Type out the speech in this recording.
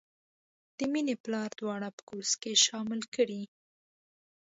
د مینې پلار دواړه په کورس کې شاملې کړې